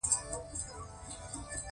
دولتونه د ورته اقتصادي لورو سره یوځای کیږي